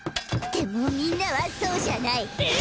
でもみんなはそうじゃない。